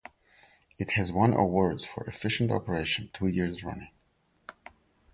It has won awards for efficient operation two years running.